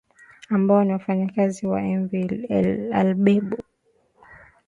ambao ni wafanyakazi wa mv albedo